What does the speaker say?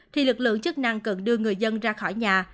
thì lực lượng chức năng cần đưa người dân ra khỏi nhà